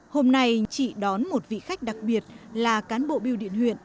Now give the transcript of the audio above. hôm nay chị đón một vị khách đặc biệt là cán bộ biêu điện huyện